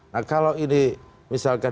nah kalau ini misalkan